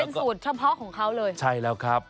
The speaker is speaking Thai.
สูตรเฉพาะของเขาเลยใช่แล้วครับ